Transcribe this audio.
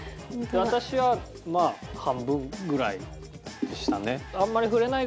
私はまあ半分ぐらいでしたね。